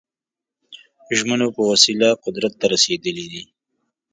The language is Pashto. ژمنو په وسیله قدرت ته رسېدلي دي.